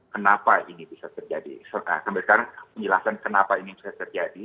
penjelasan kenapa ini bisa terjadi